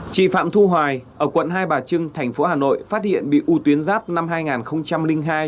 chị phạm thu hoài ở quận hai bà trưng thành phố hà nội phát hiện bị u tuyến giáp năm hai nghìn hai